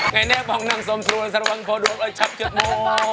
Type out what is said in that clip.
ใครแน่ฟังนางสมธุระสรวังพอดวงอาชับเจ็ดโมง